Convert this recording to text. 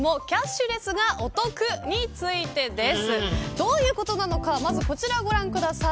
どういうことなのかこちらをご覧ください。